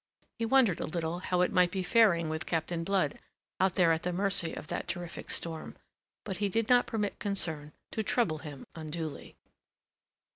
He wondered a little how it might be faring with Captain Blood out there at the mercy of that terrific storm; but he did not permit concern to trouble him unduly.